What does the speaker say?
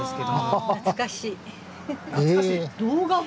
懐かしい。